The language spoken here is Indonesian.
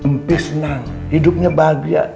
mp senang hidupnya bahagia